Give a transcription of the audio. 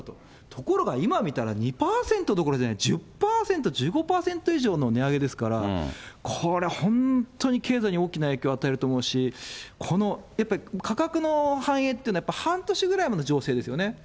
ところが今見たら、２％どころじゃない、１０％、１５％以上の値上げですから、これ本当に、経済に大きな影響を与えると思うし、この、やっぱり価格の反映っていうのは、半年ぐらい前の情勢ですよね。